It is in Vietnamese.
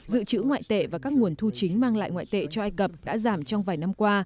dự trữ ngoại tệ và các nguồn thu chính mang lại ngoại tệ cho ai cập đã giảm trong vài năm qua